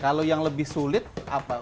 kalau yang lebih sulit apa